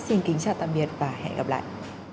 xin kính chào tạm biệt và hẹn gặp lại